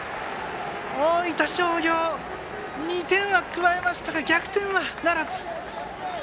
大分商業、２点は加えましたが逆転はならず。